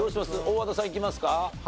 大和田さんいきますか？